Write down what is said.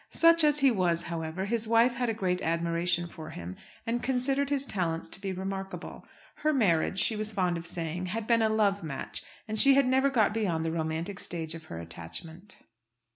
Such as he was, however, his wife had a great admiration for him, and considered his talents to be remarkable. Her marriage, she was fond of saying, had been a love match, and she had never got beyond the romantic stage of her attachment.